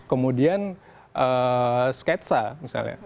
kemudian sketsa misalnya